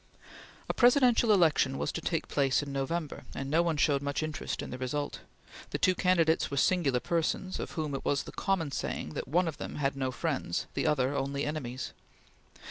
A presidential election was to take place in November, and no one showed much interest in the result. The two candidates were singular persons, of whom it was the common saying that one of them had no friends; the other, only enemies.